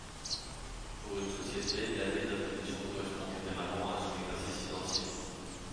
Pour une société l'année d'imposition correspond généralement à son exercice financier.